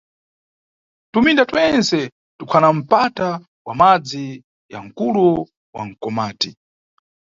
Tuminda twentse tukhana mpata wa madzi ya mkulo wa Mkomati.